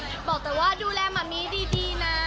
แล้วก็บอกแต่ว่าดูแลมัมมี่ดีนะ